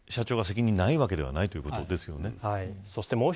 ですから、社長に責任がないわけはないということですよね。